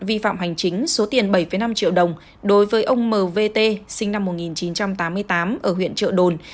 vi phạm hành chính số tiền bảy năm triệu đồng đối với ông mv t sinh năm một nghìn chín trăm tám mươi tám ở huyện trợ đồn